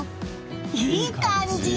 いい感じ！